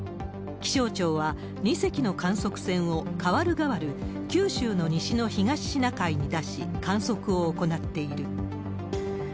気象庁は２隻の観測船をかわるがわる、九州の西の東シナ海に出し、観測を行っている。